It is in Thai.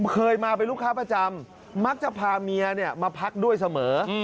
เคยมาเป็นลูกค้าประจำมักจะพาเมียมาพักด้วยเสมอ